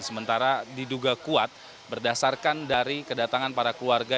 sementara diduga kuat berdasarkan dari kedatangan para keluarga